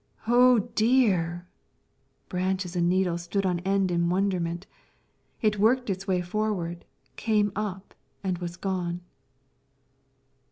"Oh dear!" Branches and needles stood on end in wonderment. It worked its way forward, came up, and was gone.